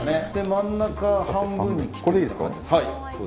真ん中半分に切っていいですか。